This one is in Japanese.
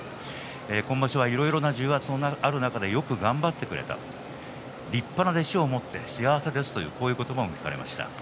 今場所はいろいろな重圧の中でよく頑張ってくれた立派な弟子を持って幸せですとこういう言葉も聞かれました。